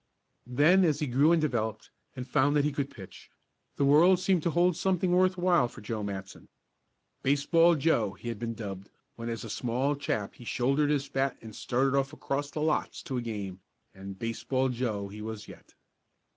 Then, as he grew, and developed, and found that he could pitch, the world seemed to hold something worth while for Joe Matson. "Baseball Joe," he had been dubbed, when as a small chap he shouldered his bat and started off across the lots to a game, and "Baseball Joe" he was yet.